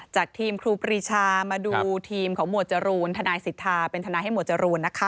จากทีมครูปรีชามาดูทีมของหมวดจรูนทนายสิทธาเป็นทนายให้หมวดจรูนนะคะ